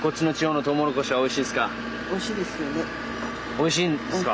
おいしいんですか。